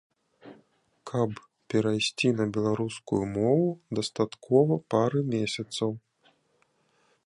Каб перайсці на беларускую мову дастаткова пары месяцаў.